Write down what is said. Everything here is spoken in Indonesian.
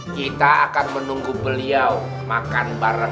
kita akan menunggu beliau makan bareng